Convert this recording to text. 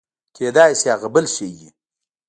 کېداى سي هغه بل شى وي.